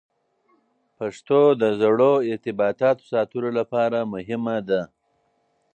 پښتو د زړو ارتباطاتو ساتلو لپاره مهمه ده.